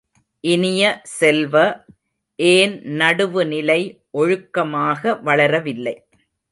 இனிய செல்வ, ஏன் நடுவு நிலை ஒழுக்கமாக வளரவில்லை.